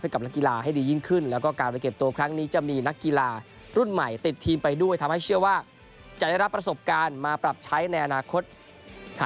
กับนักกีฬาให้ดียิ่งขึ้นแล้วก็การไปเก็บตัวครั้งนี้จะมีนักกีฬารุ่นใหม่ติดทีมไปด้วยทำให้เชื่อว่าจะได้รับประสบการณ์มาปรับใช้ในอนาคต